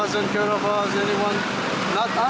siapa pun tidak menjaga kita